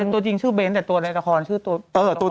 ตัวจริงชื่อเน้นแต่ตัวในละครชื่อตัว